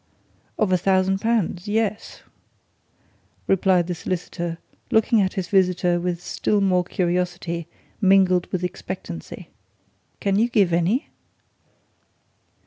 "Of a thousand pounds yes!" replied the solicitor, looking at his visitor with still more curiosity, mingled with expectancy. "Can you give any?"